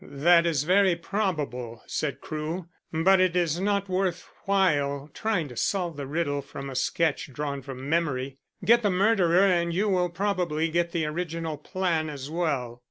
"That is very probable," said Crewe. "But it is not worth while trying to solve the riddle from a sketch drawn from memory. Get the murderer and you will probably get the original plan as well."